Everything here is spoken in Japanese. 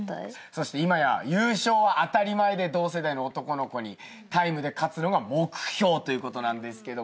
そして今や優勝は当たり前で同世代の男の子にタイムで勝つのが目標ということなんですけども。